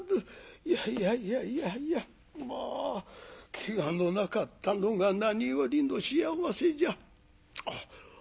いやいやいやいやいやまあけがのなかったのが何よりの幸せじゃ。